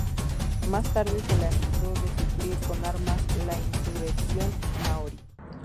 Más tarde se le acusó de suplir con armas la insurrección maorí.